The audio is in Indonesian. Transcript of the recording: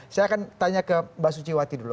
saya akan tanya ke mbak suciwati dulu